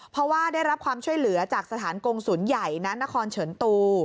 เพราะว่าได้รับความช่วยเหลือจากสถานกงศูนย์ใหญ่ณนครเฉินตู